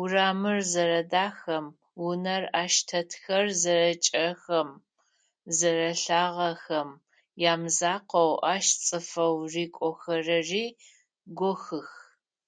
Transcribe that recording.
Урамыр зэрэдахэм, унэу ащ тетхэр зэрэкӏэхэм, зэрэлъагэхэм ямызакъоу, ащ цӏыфэу рыкӏохэрэри гохьых.